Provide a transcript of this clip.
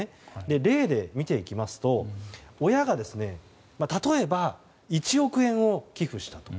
例で見ていきますと親が例えば１億円を寄付したと。